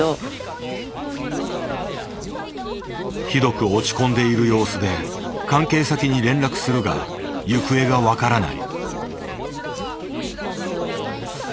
ひどく落ち込んでいる様子で関係先に連絡するが行方が分からない。